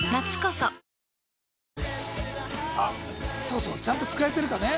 「そうそうちゃんと使えてるかね」